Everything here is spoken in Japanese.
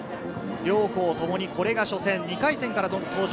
両校共にこれが初戦、２回戦からの登場。